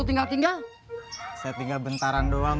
itu dia taro